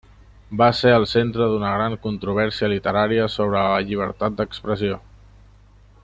Va ser el centre d'una gran controvèrsia literària sobre la llibertat d'expressió.